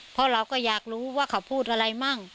เพราะเราก็อยากรู้ว่าเขาพูดอะไรมั่ง